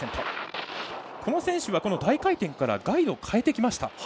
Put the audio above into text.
この選手は大回転からガイドをかえてきました。